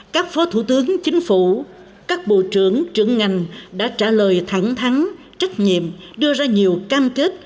các phó thủ tướng chính phủ các bộ trưởng trưởng ngành đã trả lời thẳng thắng trách nhiệm đưa ra nhiều cam kết